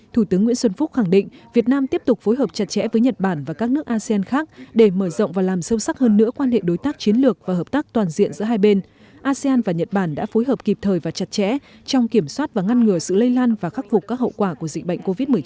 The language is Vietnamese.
thủ tướng nguyễn xuân phúc khẳng định việt nam tiếp tục phối hợp chặt chẽ với nhật bản và các nước asean khác để mở rộng và làm sâu sắc hơn nữa quan hệ đối tác chiến lược và hợp tác toàn diện giữa hai bên